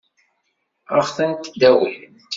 Ad ɣ-tent-id-awint?